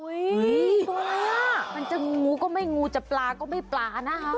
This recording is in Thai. อุ๊ยปลามันจะงูก็ไม่งูจะปลาก็ไม่ปลานะฮะ